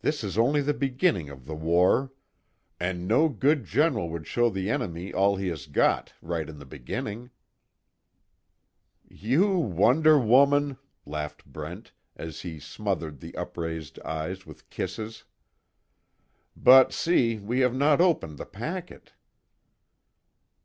This is only the beginning of the war. And no good general would show the enemy all he has got right in the beginning." "You wonder woman!" laughed Brent, as he smothered the upraised eyes with kisses, "But see, we have not opened the packet."